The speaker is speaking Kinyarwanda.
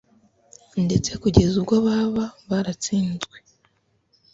ndetse kugeza ubwo baba baratsinzwe